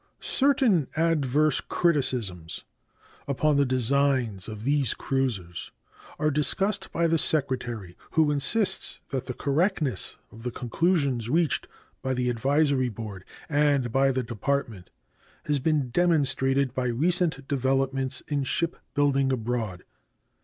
Certain adverse criticisms upon the designs of these cruisers are discussed by the Secretary, who insists that the correctness of the conclusions reached by the Advisory Board and by the Department has been demonstrated by recent developments in shipbuilding abroad.